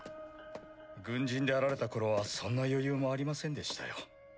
軍人であられた頃はそんな余裕もありませんでしたよ。